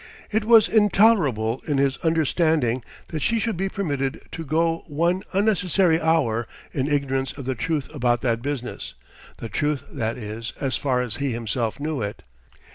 It was intolerable in his understanding that she should be permitted to go one unnecessary hour in ignorance of the truth about that business the truth, that is, as far as he himself knew it.